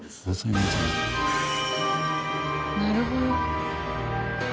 なるほど。